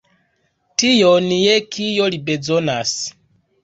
Tion, je kio li bezonas.